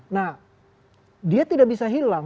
nah dia tidak bisa hilang